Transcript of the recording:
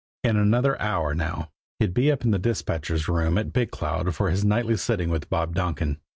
In another hour now he'd be up in the dispatcher's room at Big Cloud for his nightly sitting with Bob Donkin.